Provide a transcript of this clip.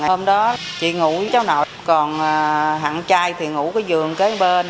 hôm đó chị ngủ với cháu nội còn hẳn trai thì ngủ cái giường kế bên